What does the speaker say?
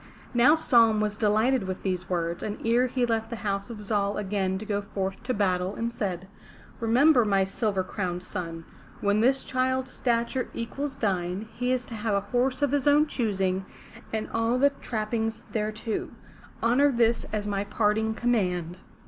*' Now Saum was delighted with these words, and ere he left the house of Zal again to go forth to battle he said: "Remember, my silver crowned son, when this child's stature equals thine, he is to have a horse of his own choosing, and all the trappings thereto. Honor this as my parting command."